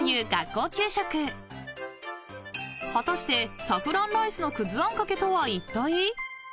［果たしてサフランライスの葛あんかけとはいったい？］